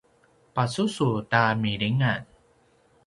pasusu ta milingan